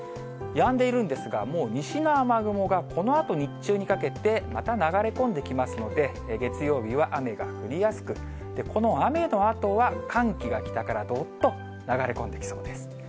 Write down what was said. やんでいるんですが、もう西の雨雲がこのあと日中にかけて、また流れ込んできますので、月曜日は雨が降りやすく、この雨のあとは、寒気が北からどっと流れ込んできそうです。